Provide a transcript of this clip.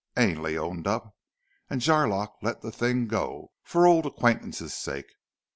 Ainley owned up, and Jarlock let the thing go, for old acquaintance' sake.